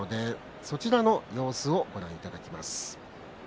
その様子をご覧いただきます。